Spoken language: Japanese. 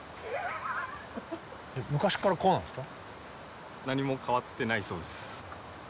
昔からこうなんですか？